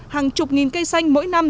hàng chục nghìn cây xanh mỗi năm